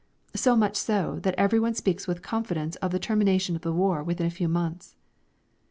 So much so, that everyone speaks with confidence of the termination of the war within a few months.